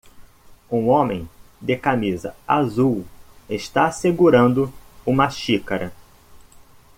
Um homem de camisa azul está segurando uma xícara